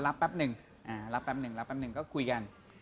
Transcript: รับแป๊บหนึ่งรับแป๊บหนึ่งก็คุยกัน